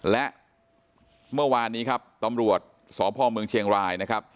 และเมื่อวานนี้ครับตำรวจสพเมืองเชียงรายนะครับ